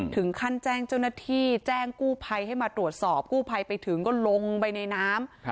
ถึงขั้นแจ้งเจ้าหน้าที่แจ้งกู้ภัยให้มาตรวจสอบกู้ภัยไปถึงก็ลงไปในน้ำ